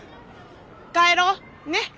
帰ろうねっ。